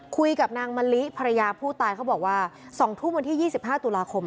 คุยกับนางมะลิภรรยาผู้ตายเขาบอกว่า๒ทุ่มวันที่๒๕ตุลาคม